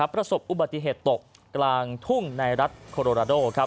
ประสบอุบัติเหตุตกกลางทุ่งในรัฐโคโรนาโด